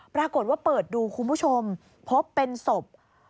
ปรากฏว่าเปิดดูคุณผู้ชมพบเป็นศพ